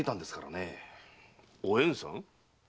おえんさん？